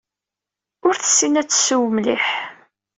Ur tessin ad tesseww mliḥ.